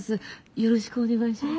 よろしくお願いします。